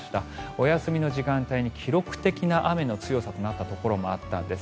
お休みの時間帯に記録的な雨の強さとなったところもあったんです。